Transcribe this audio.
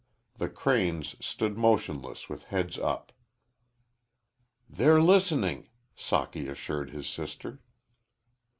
The cranes stood motionless with heads up. "They're listening," Socky assured his sister.